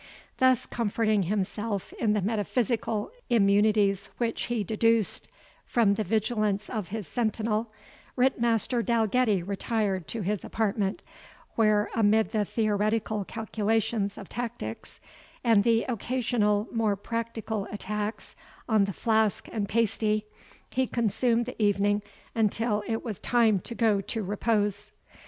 Thus comforting himself in the metaphysical immunities which he deduced from the vigilance of his sentinel, Ritt master Dalgetty retired to his apartment, where, amid the theoretical calculations of tactics, and the occasional more practical attacks on the flask and pasty, he consumed the evening until it was time to go to repose.